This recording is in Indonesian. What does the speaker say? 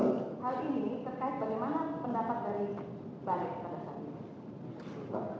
hal ini terkait bagaimana pendapat dari balik